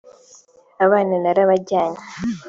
abana narabajyanye